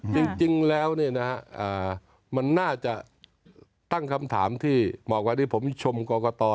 จริงแล้วน่าจะตั้งคำถามที่มอบกว่าผมชมกศนก๊อกตอ